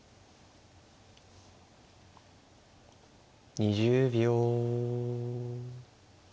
２０秒。